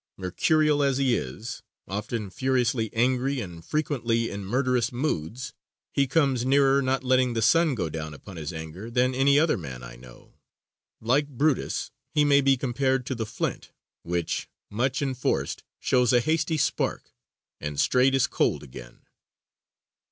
Mercurial as he is, often furiously angry and frequently in murderous mood, he comes nearer not letting the sun go down upon his anger than any other man I know. Like Brutus, he may be compared to the flint which, "Much enforced, shows a hasty spark, And straight is cold again."